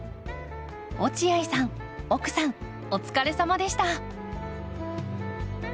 落合さん奥さんお疲れさまでした。